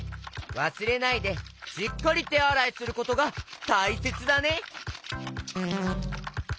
わすれないでしっかりてあらいすることがたいせつだね！